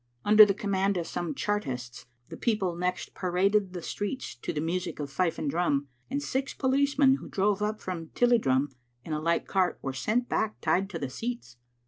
Under the command of some Chartists, the people next paraded the streets to the music of fife and drum, and six policemen who drove up from Tilliedrum in a light cart were sent back tied to the seats."